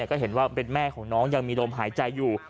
ก็เห็นว่าเป็นแม่ของน้องยังมีลมหายใจอยู่